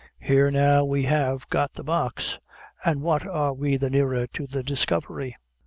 Here now we have got the Box, an' what are we the nearer to the discovery?"